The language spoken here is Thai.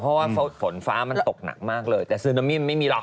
เพราะว่าฝนฟ้ามันตกหนักมากเลยแต่ซึนามิไม่มีหรอก